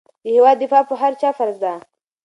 د هېواد دفاع په هر چا فرض ده.